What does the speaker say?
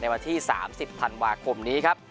วันที่๓๐ธันวาคมนี้ครับ